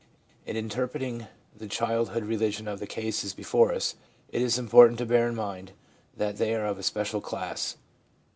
In interpreting the childhood religion of the cases before us, it is important to bear in mind that they are of a special class.